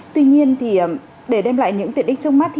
tuy nhiên để đem lại những tiện ích trước mắt